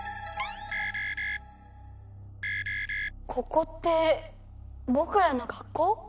ここってぼくらの学校？